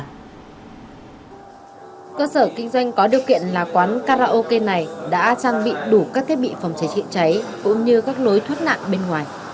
cơ sở kinh doanh có điều kiện là quán karaoke này đã trang bị đủ các thiết bị phòng cháy chữa cháy cũng như các lối thoát nạn bên ngoài